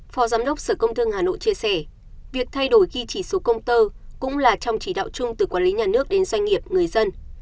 phó giám đốc sở công thương hà nội chia sẻ việc thay đổi ghi chỉ số công tơ cũng là trong chỉ đạo chung từ quản lý nhà nước đến doanh nghiệp người dân